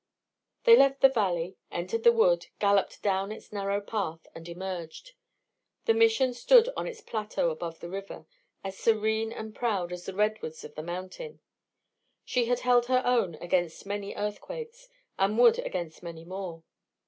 They left the valley, entered the wood, galloped down its narrow path, and emerged. The Mission stood on its plateau above the river, as serene and proud as the redwoods on the mountain. She had held her own against many earthquakes and would against many more.